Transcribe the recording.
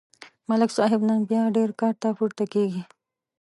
ملک صاحب نن بیا ډېر کارته پورته کېږي.